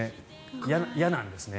嫌なんですね。